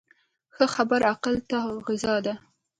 ښه خبره عقل ته غذا ده.